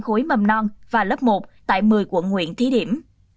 khối mầm non và lớp một tại một mươi quận huyện thí điểm